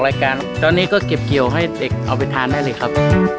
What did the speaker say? รายการตอนนี้ก็เก็บเกี่ยวให้เด็กเอาไปทานได้เลยครับ